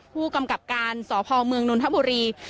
ผู้กำกับการสพเมืองนนทบุรี